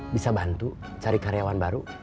bisa bantu cari karyawan baru